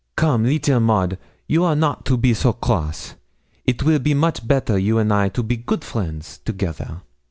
'Come, leetle Maud, you are not to be so cross; it will be much better you and I to be good friends together.